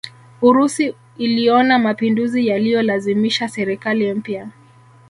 Urusi iliona mapinduzi yaliyolazimisha serikali mpya